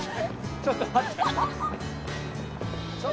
ちょっと待ってちょ。